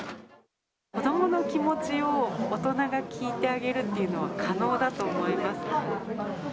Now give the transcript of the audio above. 子どもの気持ちを大人が聞いてあげるっていうのは可能だと思いますか？